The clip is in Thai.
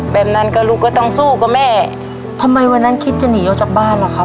แบบนั้นก็ลูกก็ต้องสู้กับแม่ทำไมวันนั้นคิดจะหนีออกจากบ้านล่ะครับ